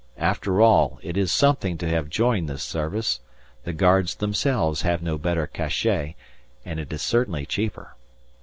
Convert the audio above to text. After all, it is something to have joined this service; the Guards themselves have no better cachet, and it is certainly cheaper.